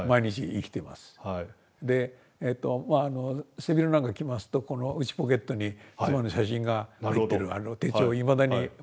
で背広なんか着ますとこの内ポケットに妻の写真が入っている手帳をいまだに持ってます。